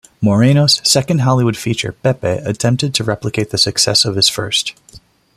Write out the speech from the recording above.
Moreno's second Hollywood feature, "Pepe", attempted to replicate the success of his first.